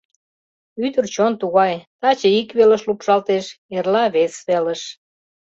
— Ӱдыр чон тугай: таче ик велыш лупшалтеш, эрла — вес велыш.